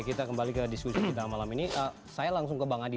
kita kembali ke diskusi kita malam ini saya langsung ke bang adi